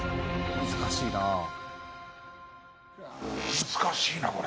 難しいなこれ。